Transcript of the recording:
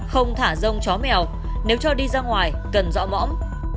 không thả rông chó mèo nếu cho đi ra ngoài cần dọ mõm